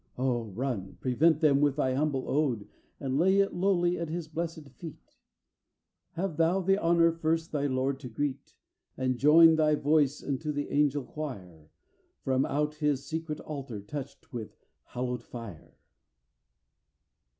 Oh! run; prevent them with thy humble ode, And lay it lowly at his blessed feet; Have thou the honour first thy Lord to greet. And join thy voice unto the Angel Quire, From out his secret altar touched with hallowed fire.